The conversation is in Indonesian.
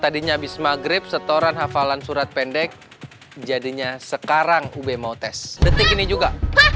artinya abis maghrib setoran hafalan surat pendek jadinya sekarang ube mau tes ini juga